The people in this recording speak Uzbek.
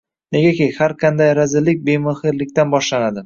Negaki har qanday razillik bemehrlikdan boshlanadi.